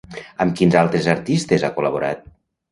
Amb quins altres artistes ha col·laborat?